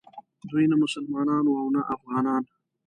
دوی نه مسلمانان وو او نه افغانان.